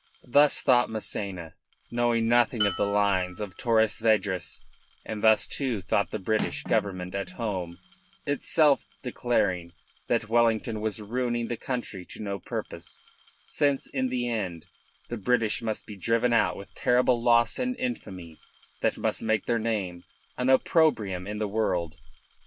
Thus thought Massena, knowing nothing of the lines of Torres Vedras; and thus, too, thought the British Government at home, itself declaring that Wellington was ruining the country to no purpose, since in the end the British must be driven out with terrible loss and infamy that must make their name an opprobrium in the world.